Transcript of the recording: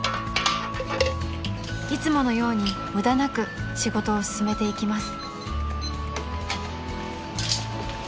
［いつものように無駄なく仕事を進めていきます］